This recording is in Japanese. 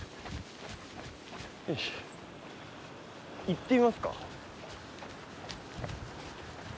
行ってみますか。